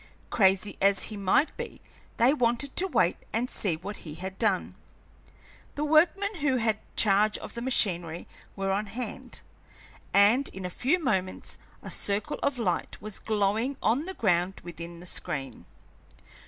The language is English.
Crazy as he might be, they wanted to wait and see what he had done. The workmen who had charge of the machinery were on hand, and in a few moments a circle of light was glowing on the ground within the screen.